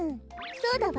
そうだわ。